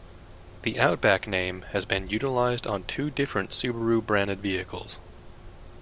The "Outback" name has been utilized on two different Subaru branded vehicles.